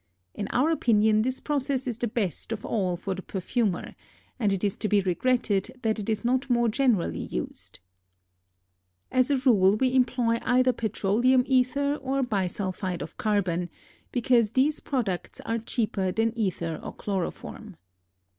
In our opinion this process is the best of all for the perfumer and it is to be regretted that it is not more generally used. As a rule we employ either petroleum ether or bisulphide of carbon (see above, pp. 65, 66) because these products are cheaper than ether or chloroform.